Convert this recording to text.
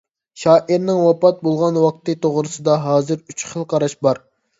شائىرنىڭ ۋاپات بولغان ۋاقتى توغرىسىدا ھازىر ئۈچ خىل قاراش بار.